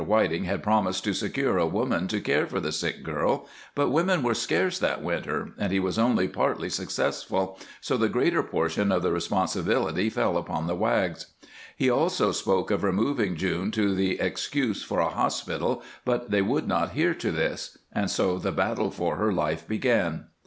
Whiting had promised to secure a woman to care for the sick girl, but women were scarce that winter and he was only partly successful, so the greater portion of the responsibility fell upon the Wags. He also spoke of removing June to the excuse for a hospital, but they would not hear to this. And so the battle for her life began.